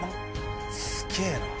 すげえな。